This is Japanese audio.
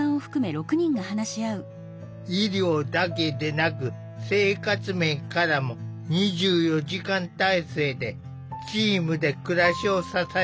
医療だけでなく生活面からも２４時間体制でチームで暮らしを支えている。